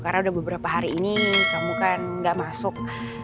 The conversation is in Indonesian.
karena udah beberapa hari ini kamu kan gak masuk